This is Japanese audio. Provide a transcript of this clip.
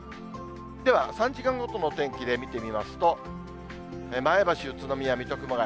では３時間ごとのお天気で見てみますと、前橋、宇都宮、水戸、熊谷。